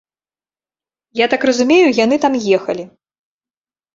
Я так разумею, яны там ехалі.